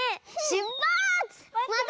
しゅっぱつ！